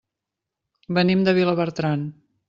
Venim de Vilabertran.